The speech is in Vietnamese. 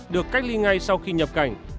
được cách ly ngay sau khi nhập cảnh